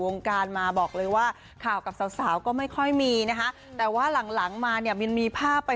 วงการมาบอกเลยว่าข่าวกับสาวสาวก็ไม่ค่อยมีนะคะแต่ว่าหลังหลังมาเนี่ยมันมีภาพไป